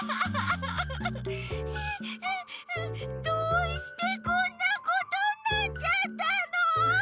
どうしてこんなことになっちゃったの？